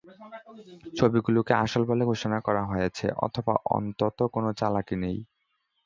ছবিগুলোকে আসল বলে ঘোষণা করা হয়েছে, অথবা অন্তত কোন চালাকি নেই।